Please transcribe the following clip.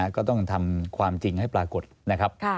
ก็ต้องทำความจริงให้ปรากฏนะครับ